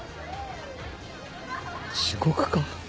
地獄か？